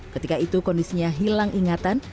ketika itu kondisinya hilang ingatan